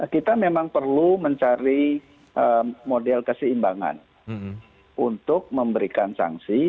kita memang perlu mencari model keseimbangan untuk memberikan sanksi